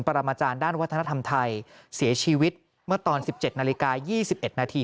รมาจารย์ด้านวัฒนธรรมไทยเสียชีวิตเมื่อตอน๑๗นาฬิกา๒๑นาที